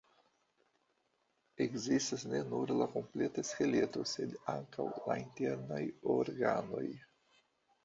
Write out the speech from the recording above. Ekzistas ne nur la kompleta skeleto, sed ankaŭ la internaj organoj.